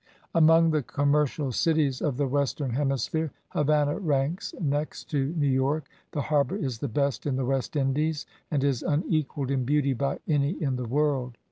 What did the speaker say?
Among the commercial cities of the western hemisphere, Havannah ranks next to New York; the harbour is the best in the West Indies, and is unequalled in beauty by any in the world.